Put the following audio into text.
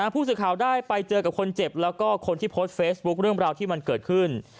ผู้สื่อข่าวได้ไปเจอกับคนเจ็บแล้วก็คนที่โพสต์เฟซบุ๊คเรื่องราวที่มันเกิดขึ้น